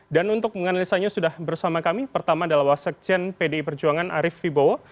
dan untuk menganalisanya sudah bersama kami pertama adalah sekjen pdi perjuangan arief vibowo